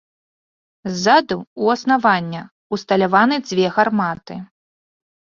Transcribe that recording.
Ззаду ў аснавання ўсталяваны дзве гарматы.